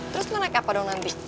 terus lo naik apa dong nanti